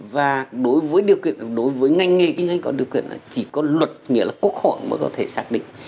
và đối với điều kiện đối với ngành nghề kinh doanh có điều kiện là chỉ có luật nghĩa là quốc hội mới có thể xác định